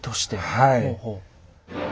はい。